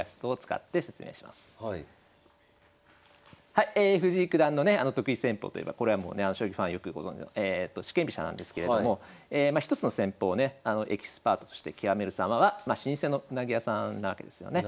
はい藤井九段のね得意戦法といえばこれはもうね将棋ファンよくご存じの四間飛車なんですけれども一つの戦法をねエキスパートとして極めるさまは老舗のウナギ屋さんなわけですよね。